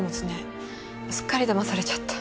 すっかり騙されちゃった。